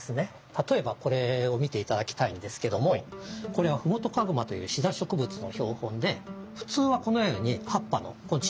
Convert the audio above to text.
例えばこれを見ていただきたいんですけどもこれはフモトカグマというシダ植物の標本で普通はこのように葉っぱの地上部の標本ですよね。